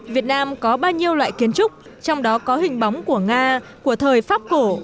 việt nam có bao nhiêu loại kiến trúc trong đó có hình bóng của nga của thời pháp cổ